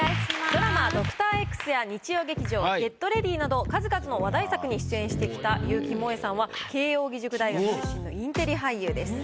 ドラマ「ドクターＸ」や日曜劇場「ＧｅｔＲｅａｄｙ！」など数々の話題作に出演してきた結城モエさんは慶應義塾大学出身のインテリ俳優です。